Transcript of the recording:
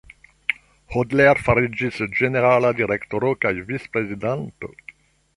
Hodler fariĝis Ĝenerala Direktoro kaj Vicprezidanto.